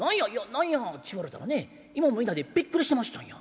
「何やち言われたらね今もみんなでびっくりしてましたんや。